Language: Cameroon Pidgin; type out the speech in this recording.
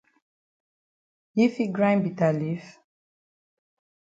Yi fit grind bitter leaf?